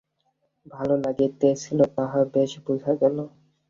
ভালো লাগিতেছিল তাহা বেশ বুঝা গেল।